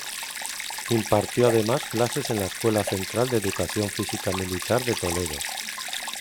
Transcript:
Impartió además clases en la Escuela Central de Educación Física Militar de Toledo.